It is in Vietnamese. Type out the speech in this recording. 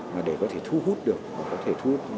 mà để có thể thu hút được và có thể thu hút